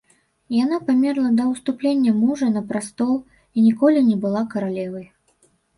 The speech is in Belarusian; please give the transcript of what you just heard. Яна памерла да ўступлення мужа на прастол і ніколі не была каралевай.